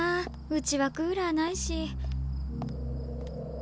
うちはクーラーないし。